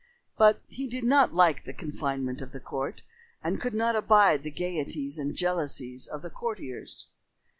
But he did not like the confinement of the court and could not abide the gaieties and jealousies of the courtiers.